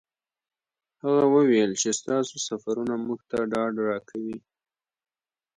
هغه وویل چې ستاسو سفرونه موږ ته ډاډ راکوي.